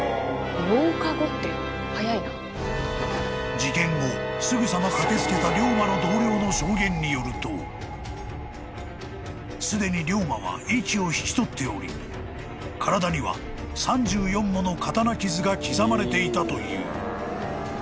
［事件後すぐさま駆け付けた龍馬の同僚の証言によるとすでに龍馬は息を引き取っており体には３４もの刀傷が刻まれていたという］